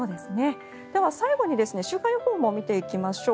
では、最後に週間予報も見ていきましょう。